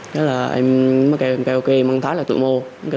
thế là em mới kêu kì măng thái là tụi mình